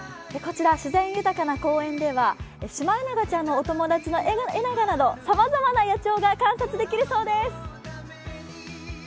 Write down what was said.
こちら、自然豊かな公園では、シマエナガちゃんのお友達のエナガなどさまざまな野鳥が観察できるそうです。